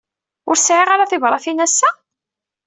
Ur sɛiɣ ara tibṛatin ass-a?